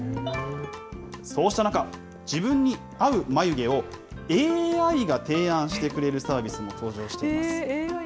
そうした中、自分に合う眉毛をＡＩが提案してくれるサービスも登場しています。